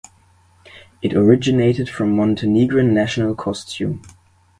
It originated from Montenegrin national costume.